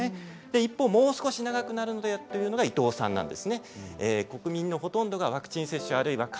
一方もう少し長くなるのではないかということで伊藤さんです。